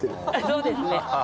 そうですね。